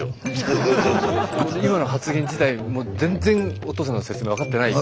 今の発言自体も全然おとうさんの説明分かってない。